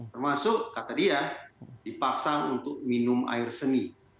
termasuk kata dia dipaksa untuk minum air seni